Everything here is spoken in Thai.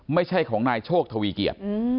ไม่ใช่ของนายโชคทวีเกียจ